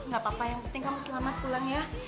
gak apa apa yang penting kamu selamat pulang ya